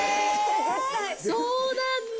そうなんだ。